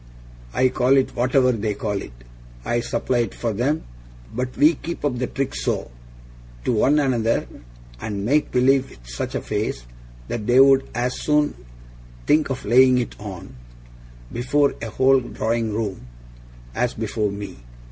I call it whatever THEY call it. I supply it for 'em, but we keep up the trick so, to one another, and make believe with such a face, that they'd as soon think of laying it on, before a whole drawing room, as before me.